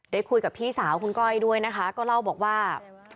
ได้คุยกับพี่สาวคุณก้อยด้วยนะคะก็เล่าบอกว่า